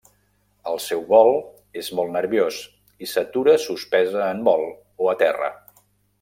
El seu vol és molt nerviós i s'atura suspesa en vol o aterra.